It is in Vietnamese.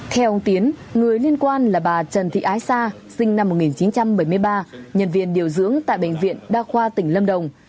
theo ông tiến người liên quan là bà trần thị ái sa sinh năm một nghìn chín trăm bảy mươi ba nhân viên điều dưỡng tại bệnh viện đa khoa tỉnh lâm đồng